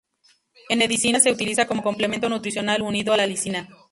En Medicina se utiliza como complemento nutricional unido a la lisina.